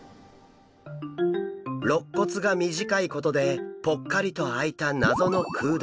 ろっ骨が短いことでぽっかりと空いた謎の空洞。